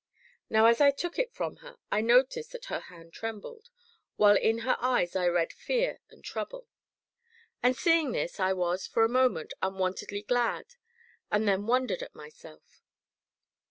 Now, as I took it from her, I noticed that her hand trembled, while in her eyes I read fear and trouble; and seeing this, I was, for a moment, unwontedly glad, and then wondered at myself.